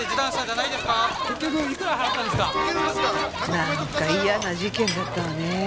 なんか嫌な事件だったわね。